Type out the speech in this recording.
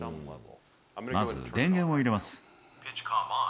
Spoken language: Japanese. まず電源を入れます。